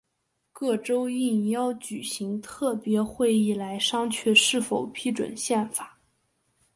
各州应邀举行特别会议来商榷是否批准宪法。